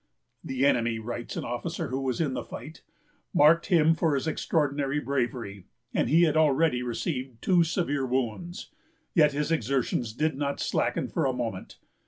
"The enemy," writes an officer who was in the fight, "marked him for his extraordinary bravery;" and he had already received two severe wounds. Yet his exertions did not slacken for a moment.